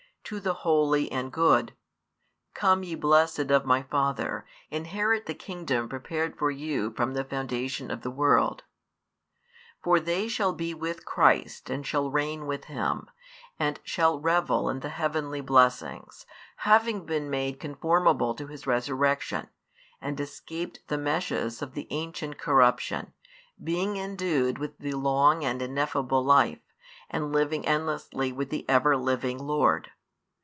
to the holy and good: Come ye blessed of My Father, inherit the kingdom prepared for you from the foundation of the world. For they shall be with Christ and shall reign with Him, and shall revel in the heavenly blessings, having been made conformable to His Resurrection, and escaped the meshes of the ancient corruption, being endued with the long and ineffable life, and living endlessly with the ever living Lord.